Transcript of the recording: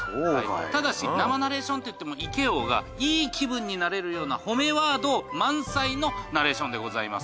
ただし生ナレーションといってもイケ王がいい気分になれるような褒めワード満載のナレーションでございます。